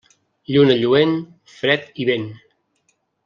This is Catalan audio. Lluna lluent, fred i vent.